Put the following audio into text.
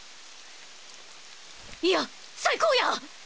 いや最高や！